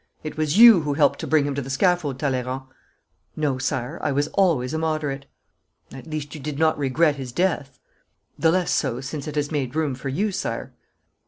It was you who helped to bring him to the scaffold, Talleyrand.' 'No, Sire, I was always a moderate.' 'At least, you did not regret his death.' 'The less so, since it has made room for you, Sire.'